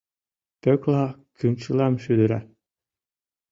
Пӧкла кӱнчылам шӱдыра.